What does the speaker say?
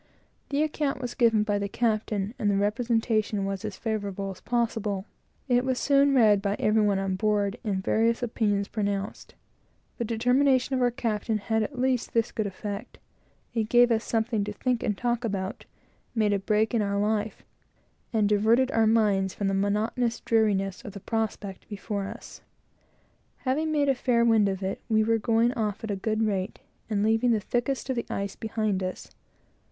The account was given by the captain, and the representation was as favorable as possible. It was soon read by every one on board, and various opinions pronounced. The determination of our captain had at least this good effect; it gave every one something to think and talk about, made a break in our life, and diverted our minds from the monotonous dreariness of the prospect before us. Having made a fair wind of it, we were going off at a good rate, and leaving the thickest of the ice behind us.